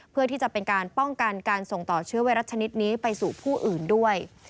เพื่อที่จะเป็นการป้องกันการส่งต่อเชื้อไวรัสชนิดนี้ไปสู่ผู้อื่นด้วย